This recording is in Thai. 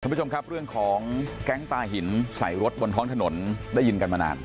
ผู้ชมครับเรื่องของแก๊งปลาหินใส่รถบนท้องถนนได้ยินกันมานาน